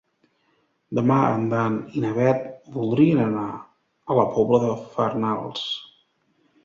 Demà en Dan i na Bet voldrien anar a la Pobla de Farnals.